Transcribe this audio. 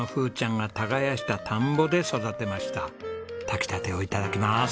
炊きたてを頂きます！